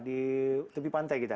di tepi pantai kita